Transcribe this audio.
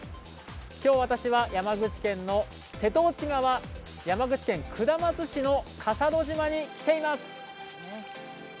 きょう私は山口県の瀬戸内側山口県下松市の笠戸島に来ています。